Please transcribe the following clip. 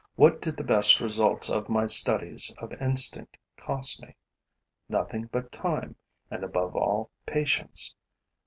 What did the best results of my studies of instinct cost me? Nothing but time and, above all, patience.